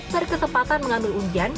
terkesempatan mengambil ujian